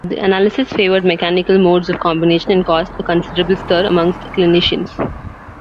The analysis favored mechanical modes of combination and caused a considerable stir amongst clinicians.